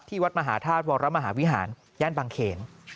วัดมหาธาตุวรมหาวิหารย่านบางเขน